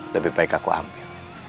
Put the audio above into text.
lebih baik aku ambil